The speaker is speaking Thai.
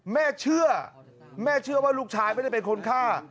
แม่เชื่อแม่เชื่อว่าลูกชายไม่ได้เป็นคนฆ่า